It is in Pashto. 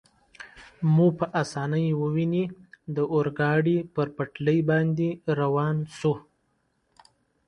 مو په اسانۍ وویني، د اورګاډي پر پټلۍ باندې روان شو.